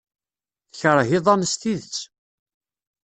Tekṛeh iḍan s tidet.